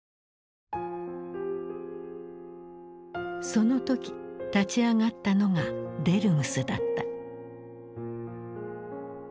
その時立ち上がったのがデルムスだった。